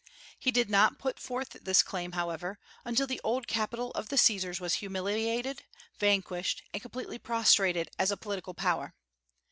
He did not put forth this claim, however, until the old capital of the Caesars was humiliated, vanquished, and completely prostrated as a political power.